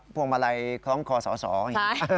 พวกมาลัยของคมสอง